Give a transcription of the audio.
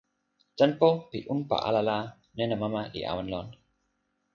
tenpo pi unpa ala la, nena mama li awen lon.